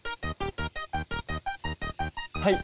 はい。